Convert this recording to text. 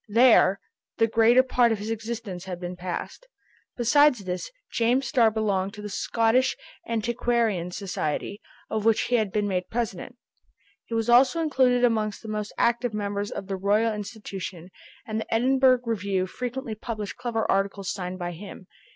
There, the greater part of his existence had been passed. Besides this, James Starr belonged to the Scottish Antiquarian Society, of which he had been made president. He was also included amongst the most active members of the Royal Institution; and the Edinburgh Review frequently published clever articles signed by him.